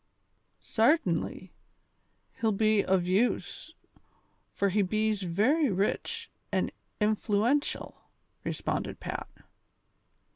'X'artainly, he'll be ov use, fur he bees very rich an' influatiell," responded Pat.